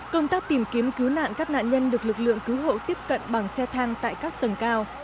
công tác tìm kiếm cứu nạn các nạn nhân được lực lượng cứu hộ tiếp cận bằng xe thang tại các tầng cao